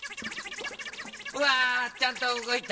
うわちゃんとうごいた。